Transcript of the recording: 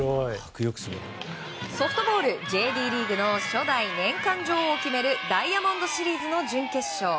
ソフトボールＪＤリーグの初代年間女王を決めるダイヤモンドシリーズの準決勝。